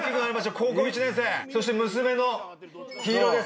高校１年生そして娘の陽彩です